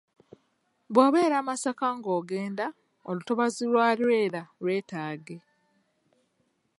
"Bw’obeera Masaka ng’ogenda, olutobazi lwa Lwera lwetaage."